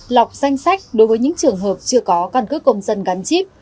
lọc danh sách đối với những trường hợp chưa có cân cước công dân gắn chip